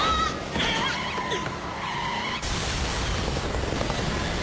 うっうっ。